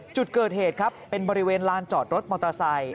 จุดเกิดเหตุครับเป็นบริเวณลานจอดรถมอเตอร์ไซค